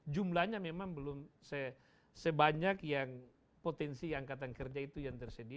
jumlahnya memang belum sebanyak yang potensi angkatan kerja itu yang tersedia